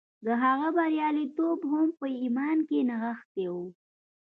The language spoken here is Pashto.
د هغه بریالیتوب هم په ایمان کې نغښتی و